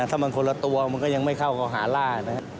ถ้ามันคนละตัวมันก็ยังไม่เข้าก็หาล่านะครับ